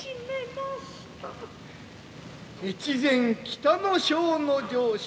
越前北ノ庄の城主